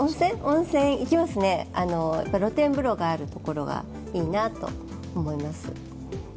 温泉行きますね、露天風呂があるところがいいなと思います。